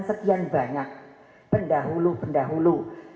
sekian banyak pendahulu pendahulu